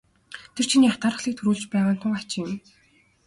Тэр чиний атаархлыг төрүүлж байгаа нь тун хачин юм.